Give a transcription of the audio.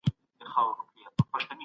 بزمي ادب: شمع، ګل، بلبل.